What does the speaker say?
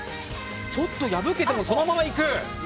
ちょっと破けてもそのままいく。